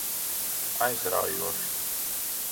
Aizraujoši.